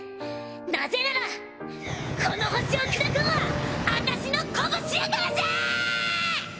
なぜならこの地球を砕くんは私の拳やからじゃ！